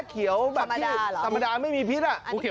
เขียวแบบที่ธรรมดาไม่มีพิษ